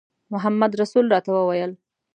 محمدرسول راته وویل.